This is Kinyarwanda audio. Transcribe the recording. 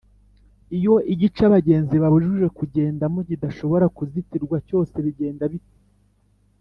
iyo igice abagenzi babujijwe kugendamo kidashobora kuzitirwa cyose bigenda bite